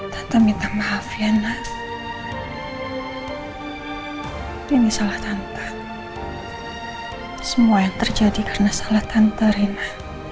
tante minta maaf ya nath ini salah tante semua yang terjadi karena salah tante rina